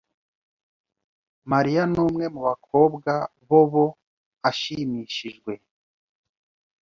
Mariya numwe mubakobwa Bobo ashimishijwe.